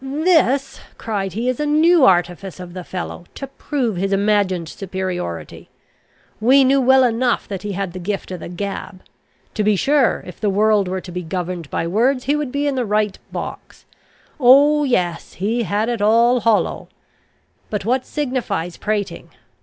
"This," cried he, "is a new artifice of the fellow, to prove his imagined superiority. We knew well enough that he had the gift of the gab. To be sure, if the world were to be governed by words, he would be in the right box. Oh, yes, he had it all hollow! But what signifies prating?